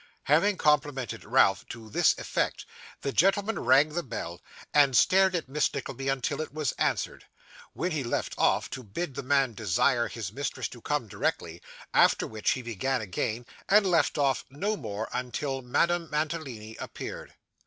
Having complimented Ralph to this effect, the gentleman rang the bell, and stared at Miss Nickleby until it was answered, when he left off to bid the man desire his mistress to come directly; after which, he began again, and left off no more until Madame Mantalini appeared.